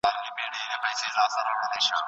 موږ د دونیا په سیل وتي او کړیږي وطن